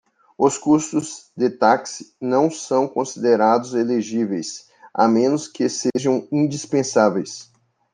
Os custos de táxi não são considerados elegíveis, a menos que sejam indispensáveis.